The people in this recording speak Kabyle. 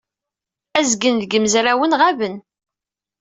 Azgen seg yimezrawen ɣaben.